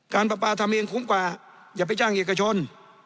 ปลาปลาทำเองคุ้มกว่าอย่าไปจ้างเอกชน